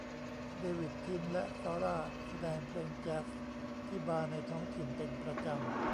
เดวิด ทิม และซาร่าห์แสดงเพลงแจ๊ซที่บาร์ในท้องถิ่นเป็นประจำ